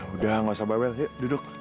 udah gak usah bawel yuk duduk